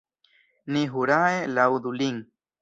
Ni hurae laŭdu lin!